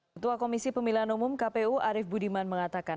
ketua komisi pemilihan umum kpu arief budiman mengatakan